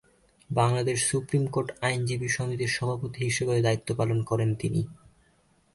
Bangladesh supreme court আইনজীবী সমিতির সভাপতি হিসেবেও দায়িত্ব পালন করেন তিনি।